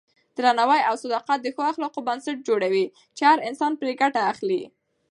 درناوی او صداقت د ښو اخلاقو بنسټ جوړوي چې هر انسان پرې ګټه اخلي.